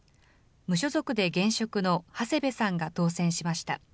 無所属で現職の長谷部さんが当選しました。